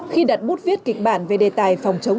khi đặt bút viết kịch bản về đề tài phòng chống